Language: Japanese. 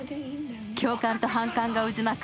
共感と反感が渦巻く